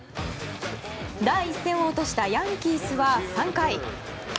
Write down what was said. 第１戦を落としたヤンキースは３回。